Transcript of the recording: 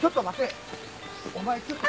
お前ちょっと。